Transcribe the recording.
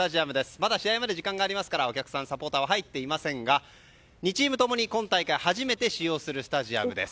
まだ試合まで時間がありますからお客さん、サポーターは入っていませんが２チームともに今大会初めて使用するスタジアムです。